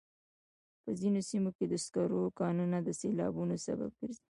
په ځینو سیمو کې د سکرو کانونه د سیلابونو سبب ګرځي.